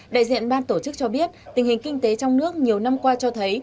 đại diện ban tổ chức cho biết tình hình kinh tế trong nước nhiều năm qua cho thấy